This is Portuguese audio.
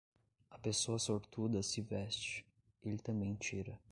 A pessoa sortuda se veste, ele também tira.